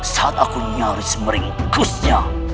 saat aku nyaris meringkusnya